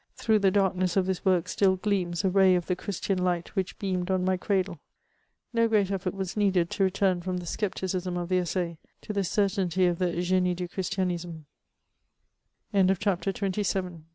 Through the darkness of this work still gleams a ray of the Christian light which beamed on my cradle. No great effort was needed to return from the scepticism of the Ussai to the certainty of the Genie du Christian